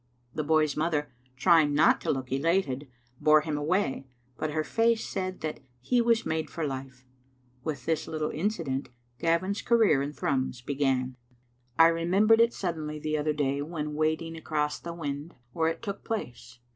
The boy's mother, trying not to look elated, bore him away, but her face said that he was made for life. With this little Digitized by VjOOQ IC incident Gavin's career in Thrums began. I remem bered it suddenly the other day when wading across the wynd where it took place.